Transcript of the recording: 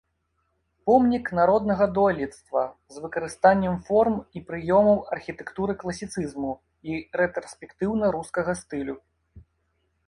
Помнік народнага дойлідства з выкарыстаннем форм і прыёмаў архітэктуры класіцызму і рэтраспектыўна-рускага стылю.